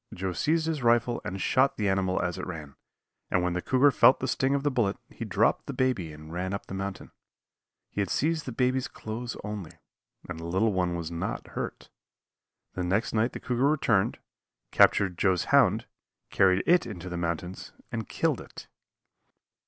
Joe seized his rifle and shot the animal as it ran, and when the cougar felt the sting of the bullet he dropped the baby and ran up the mountain. He had seized the baby's clothes only, and the little one was not hurt. The next night the cougar returned, captured Joe's hound, carried it into the mountains and killed it.